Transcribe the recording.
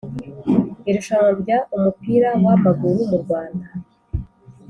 Irushanwa rya umupira wa amaguru mu Rwanda